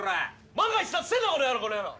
万が一だっつってんだろこの野郎この野郎。